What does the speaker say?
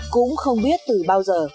cũng không biết từ bao giờ